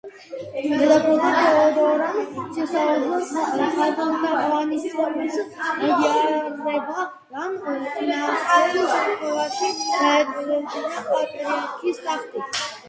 დედოფალმა თეოდორამ შესთავაზა ხატთაყვანისცემის აღიარება ან წინააღმდეგ შემთხვევაში დაეტოვებინა პატრიარქის ტახტი.